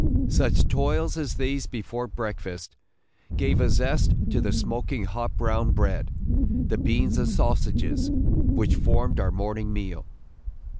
Such toils as these before breakfast gave a zest to the smoking hot brown bread, the beans and sausages, which formed our morning meal.